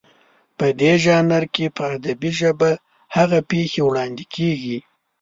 په دې ژانر کې په ادبي ژبه هغه پېښې وړاندې کېږي